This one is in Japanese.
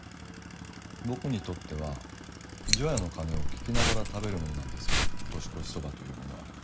僕にとっては除夜の鐘を聞きながら食べるものなんです「年越しそば」というものは。